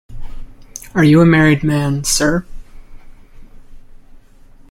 Are you a married man, sir?